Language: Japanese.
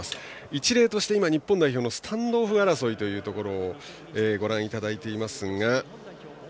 一例として日本代表のスタンドオフ争いをご覧いただいています。